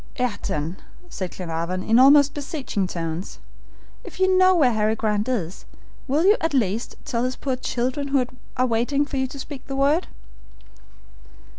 "Ayrton," said Glenarvan, in almost beseeching tones, "if you know where Harry Grant is, will you, at least, tell his poor children, who are waiting for you to speak the word?"